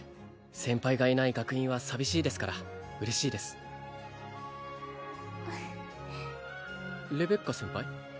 先輩がいない学院は寂しいですから嬉しいですレベッカ先輩？